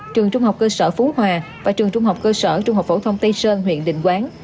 trường trung học cơ sở phú hòa và trường trung học cơ sở trung học phổ thông tây sơn huyện định quán